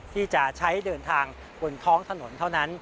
ที่จะใช้เดินทางบนท้องถนนเท่านั้น